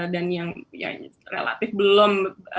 dan yang relatif belum